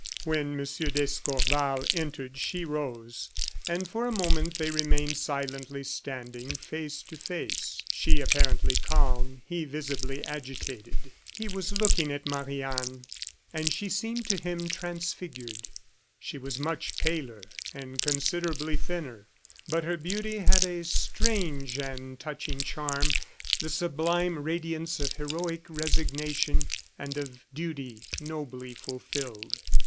When M. d'Escorval entered she rose, and for a moment they remained silently standing, face to face, she apparently calm, he visibly agitated. He was looking at Marie Anne; and she seemed to him transfigured. She was much paler and considerably thinner; but her beauty had a strange and touching charm the sublime radiance of heroic resignation and of duty nobly fulfilled.